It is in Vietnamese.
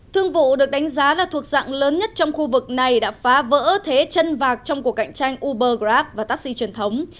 thương vụ được đánh giá là thuộc dạng lớn nhất trong khu vực này đã phá vỡ thế chân vạc trong cuộc cạnh tranh uber grab và taxi truyền thống